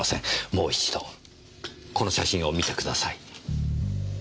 もう一度この写真を見てください。